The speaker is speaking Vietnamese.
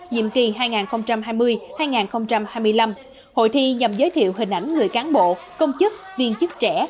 nhiệm kỳ hai nghìn hai mươi hai nghìn hai mươi năm hội thi nhằm giới thiệu hình ảnh người cán bộ công chức viên chức trẻ